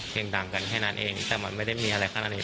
ดังกันแค่นั้นเองแต่มันไม่ได้มีอะไรขนาดนี้